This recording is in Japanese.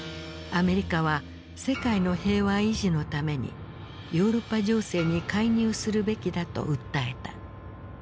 アメリカは世界の平和維持のためにヨーロッパ情勢に介入するべきだと訴えた。